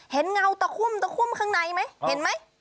เงาตะคุ่มตะคุ่มข้างในไหมเห็นไหม